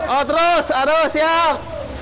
oh terus aduh siap